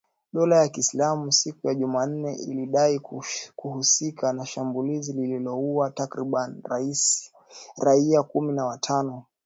Dola la kiislamu siku ya Jumanne lilidai kuhusika na shambulizi lililoua takribani raia kumi na watano.